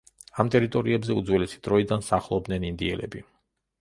ამ ტერიტორიებზე უძველესი დროიდან, სახლობდნენ ინდიელები.